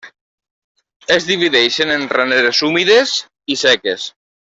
Es divideixen en raneres humides i seques.